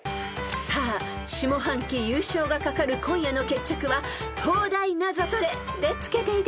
［さあ下半期優勝が懸かる今夜の決着は東大ナゾトレでつけていただきましょう］